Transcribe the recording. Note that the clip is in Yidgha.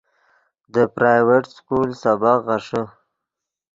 دے پرائیویٹ سکول سبق غیݰے